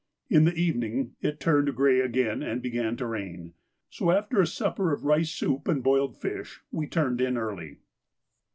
In the evening it turned grey again and began to rain, so, after a supper of rice soup and boiled fish, we turned in early.